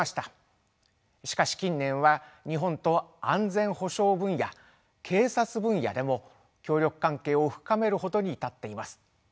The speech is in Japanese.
しかし近年は日本と安全保障分野警察分野でも協力関係を深めるほどに至っています。